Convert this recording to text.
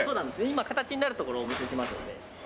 今形になるところをお見せしますので。